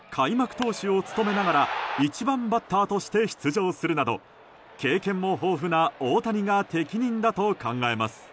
投手を務めながら１番バッターとして出場するなど経験も豊富な大谷が適任だと考えます。